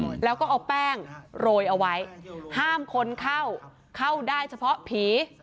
อืมแล้วก็เอาแป้งโรยเอาไว้ห้ามคนเข้าเข้าได้เฉพาะผี